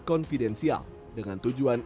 konfidensial dengan tujuan